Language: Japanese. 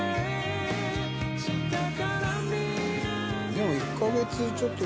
でも１か月ちょっと。